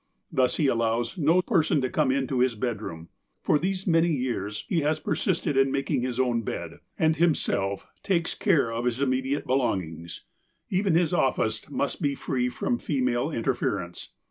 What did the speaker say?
Thus, he allows no person to come into his bedroom. For these many years he has persisted in making his own bed, and himself takes care of his imme diate belongings. Even his office must be free from female interference.